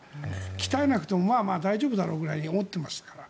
鍛えなくてもまあまあ大丈夫だろうぐらいに思ってましたから。